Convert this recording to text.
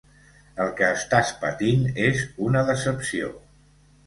El que estàs patint és una decepció.